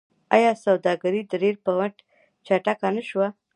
آیا سوداګري د ریل په مټ چټکه نشوه؟